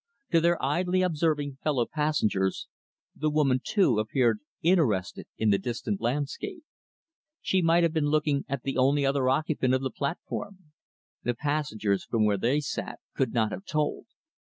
To their idly observing fellow passengers, the woman, too, appeared interested in the distant landscape. She might have been looking at the only other occupant of the platform. The passengers, from where they sat, could not have told.